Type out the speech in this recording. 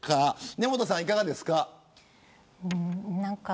根本さんいかがですか。